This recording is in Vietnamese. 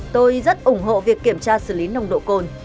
tôi rất ủng hộ việc kiểm tra xử lý nồng độ cồn